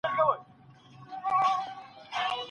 پوښتنه وکړئ چي څه کولای سم.